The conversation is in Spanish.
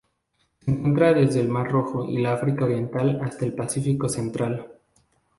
Se encuentra desde el mar Rojo y la África Oriental hasta el Pacífico central.